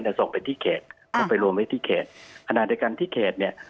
เนี่ยส่งไปที่เขตอ่าไปรวมไว้ที่เขตอ่านาฬิกันที่เขตเนี่ย